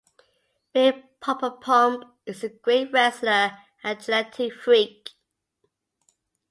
Big Poppa Pump is a great wrestler and a genetic freak.